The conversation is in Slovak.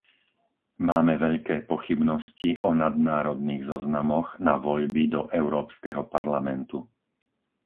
Máme veľké pochybnosti o nadnárodných zoznamoch na voľby do Európskeho parlamentu.